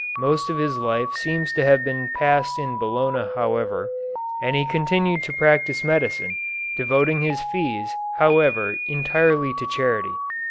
Most of his life seems to have been passed in Bologna however, and he continued to practise medicine, devoting his fees, however, entirely to charity.